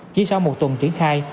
chỉ sau một tuần triển khai